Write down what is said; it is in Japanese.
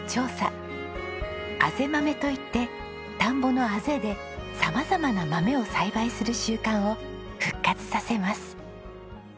あぜ豆といって田んぼのあぜで様々な豆を栽培する習慣を復活させます。